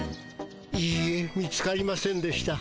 いいえ見つかりませんでした。